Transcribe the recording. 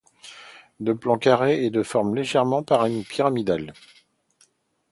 De plan carré et de forme légèrement pyramidale.